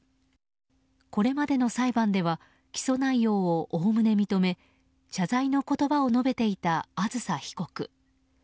これまでの裁判では起訴内容をおおむね認め謝罪の言葉を述べていたあずさ被告。